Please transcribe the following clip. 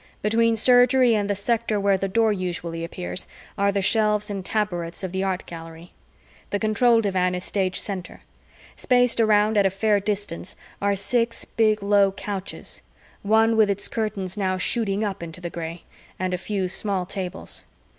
Between Surgery and the sector where the Door usually appears are the shelves and taborets of the Art Gallery. The control divan is stage center. Spaced around at a fair distance are six big low couches one with its curtains now shooting up into the gray and a few small tables.